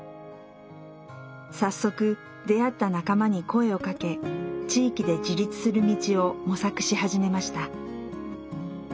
早速出会った仲間に声をかけ地域で自立する道を模索し始めました。